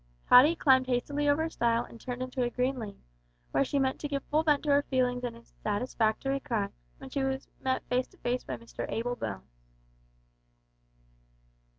Tottie climbed hastily over a stile and turned into a green lane, where she meant to give full vent to her feelings in a satisfactory cry, when she was met face to face by Mr Abel Bones.